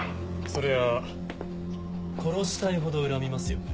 そりゃ殺したいほど恨みますよね。